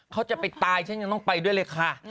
เขาจะไปตายฉันยังต้องไปด้วยเลยค่ะ